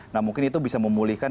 nah mungkin itu bisa memulihkan